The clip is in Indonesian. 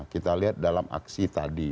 kita lihat dalam aksi tadi